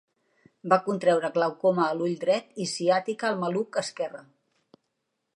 Va contreure glaucoma a l'ull dret i ciàtica al maluc esquerre.